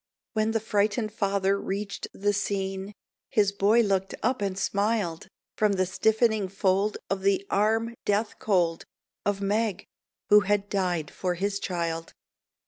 When the frightened father reached the scene, His boy looked up and smiled From the stiffening fold of the arm, death cold, Of Meg, who had died for his child.